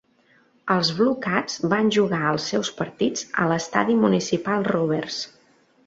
Els BlueCats van jugar els seus partits a l'estadi Municipal Roberts.